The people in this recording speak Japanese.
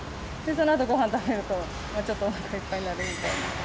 そのあとごはん食べると、ちょっとおなかいっぱいになるみたいな。